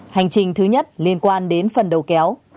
hành trình thứ nhất liên quan đến phần đầu kéo